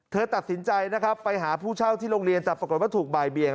เธอตัดสินใจนะครับไปหาผู้เช่าที่โรงเรียนแต่ปรากฏว่าถูกบ่ายเบียง